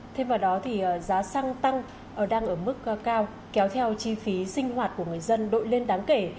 thêm vào đó thì giá xăng tăng đang ở mức cao kéo theo chi phí sinh hoạt của người dân đội lên đáng kể